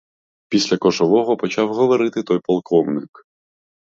Після кошового почав говорити той полковник.